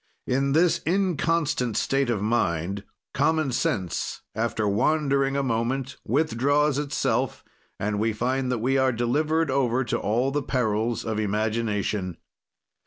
"In this inconstant state of mind, common sense, after wandering a moment withdraws itself, and we find that we are delivered over to all the perils of imagination.